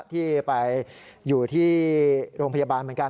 ที่ไปอยู่ที่โรงพยาบาลเหมือนกัน